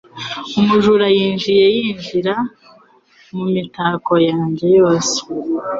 Umujura yinjiye yinjira mu mitako yanjye yose.